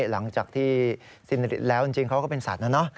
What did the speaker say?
หลังจากที่สินฤทธิ์แล้วจริงเขาก็เป็นสัตว์นั้น